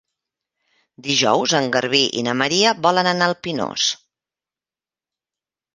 Dijous en Garbí i na Maria volen anar al Pinós.